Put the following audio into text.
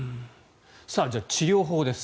じゃあ、治療法です。